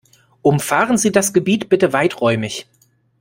Umfahren Sie das Gebiet bitte weiträumig.